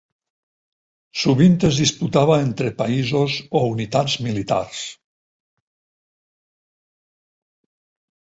Sovint es disputava entre països o unitats militars.